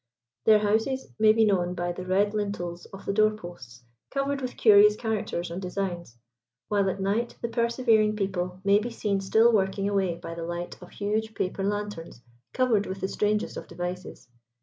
Their houses may be known by the red lintels of the door posts covered with curious characters and designs; while at night the persevering people may be seen still working away by the light of huge paper lanterns covered with the strangest of devices.